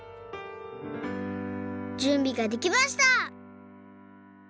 じゅんびができました！